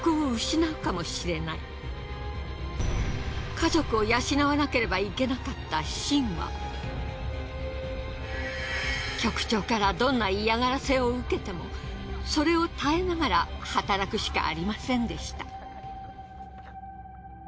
家族を養わなければいけなかった秦は局長からどんな嫌がらせを受けてもそれを耐えながら働くしかありませんでした。